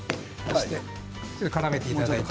からめていただいて。